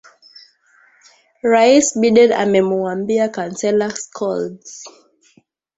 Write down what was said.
Rais Biden amemuambia Kansela Scholz